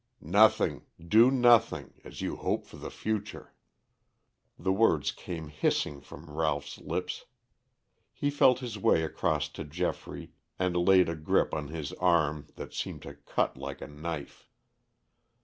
"Nothing do nothing, as you hope for the future!" The words came hissing from Ralph's lips. He felt his way across to Geoffrey and laid a grip on his arm that seemed to cut like a knife.